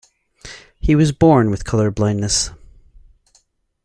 He was born with color blindness.